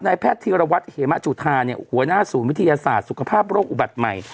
แพทย์ธีรวัตรเหมะจุธาเนี่ยหัวหน้าศูนย์วิทยาศาสตร์สุขภาพโรคอุบัติใหม่